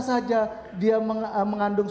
saja dia mengandung